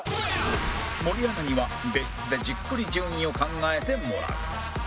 森アナには別室でじっくり順位を考えてもらう